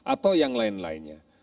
atau yang lain lainnya